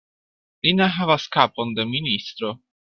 Li ne havas kapon de ministro.